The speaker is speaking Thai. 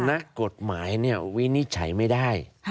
นักกฎหมายวินิจฉัยไม่ได้